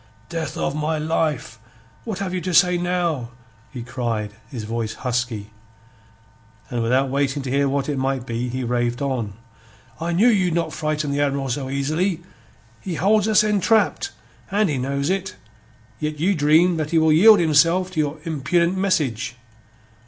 "Death of my life, what have you to say now?" he cried, his voice husky. And without waiting to hear what it might be, he raved on: "I knew you not frighten the Admiral so easy. He hold us entrap', and he knows it; yet you dream that he will yield himself to your impudent message.